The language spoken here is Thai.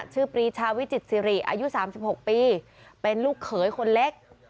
ปรีชาวิจิตสิริอายุ๓๖ปีเป็นลูกเขยคนเล็ก